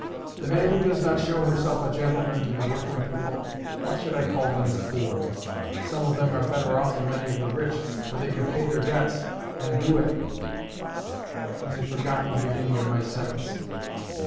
The man who does not show himself a gentleman to the working people—why should I call them the poor? some of them are better off than many of the rich, for they can pay their debts, and do it—" I had forgot the beginning of my sentence.